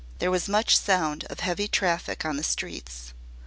There was much sound of heavy traffic on the streets.